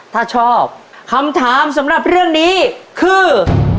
ถ้าชอบคำถามสำหรับเรื่องนี้คือ